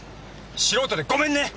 素人でごめんね！